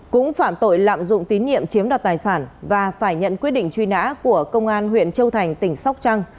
cũng phạm tội lạm dụng tín nhiệm chiếm đoạt tài sản và phải nhận quyết định truy nã của công an huyện châu thành tỉnh sóc trăng